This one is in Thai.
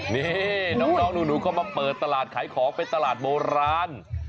นี่น้องหนูเข้ามาเปิดตลาดขายของเป็นตลาดโบราณ